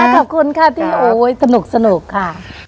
ขอบคุณค่ะพี่โอ๊ยสนุกค่ะ